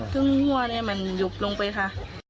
ถึงหัวมันยุบลงไปค่ะ